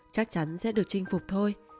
chắc chắn sẽ được chinh phục thôi